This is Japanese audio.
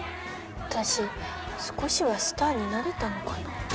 私少しはスターになれたのかな。